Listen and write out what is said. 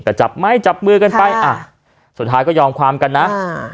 แต่จับไม้จับมือกันไปอ่ะสุดท้ายก็ยอมความกันนะอ่า